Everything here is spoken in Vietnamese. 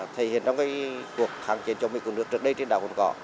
thay hiện trong cái cuộc kháng triển chống mịt của nước trước đây trên đảo cồn cỏ